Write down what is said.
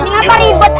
ini kenapa ribet amat ya